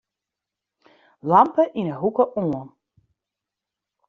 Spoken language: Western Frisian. Lampe yn 'e hoeke oan.